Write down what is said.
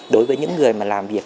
đối với những người làm việc